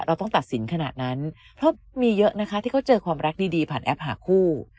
เราต้องตัดสินขนาดนั้นเพราะมีเยอะนะคะที่เขาเจอความรักดีผ่านแอปหาคู่